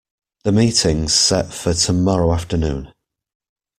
The meeting's set for tomorrow afternoon.